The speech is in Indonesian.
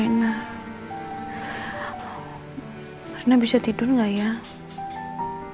biasanya sebelum dia tidur aku harus temuin dia dulu